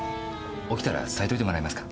起きたら伝えといてもらえますか。